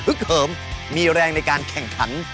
เหิมมีแรงในการแข่งขัน